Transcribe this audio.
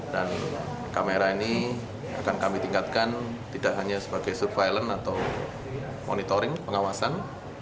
dan kamera ini akan kami tingkatkan tidak hanya sebagai surveillance atau monitoring pengawasan